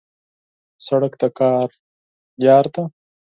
سړک د کار لار ده.